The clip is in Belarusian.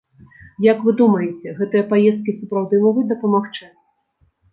Як вы думаеце, гэтыя паездкі сапраўды могуць дапамагчы?